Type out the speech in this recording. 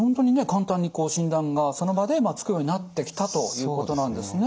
簡単に診断がその場でつくようになってきたということなんですね。